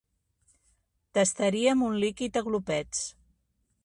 Tastaríem un líquid a glopets.